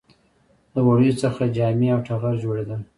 د وړیو څخه جامې او ټغر جوړیدل